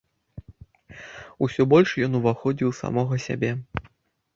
Усё больш ён уваходзіў у самога сябе.